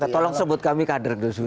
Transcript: tolong sebut kami kader gus durian